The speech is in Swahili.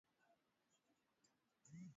Hata kama unalia leo jua kesho utacheka.